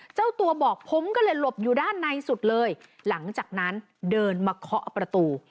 เจ้าตัวบอกผมก็เลยหลบอยู่ด้านในสุดเลยหลังจากนั้นเดินมาเคาะประตู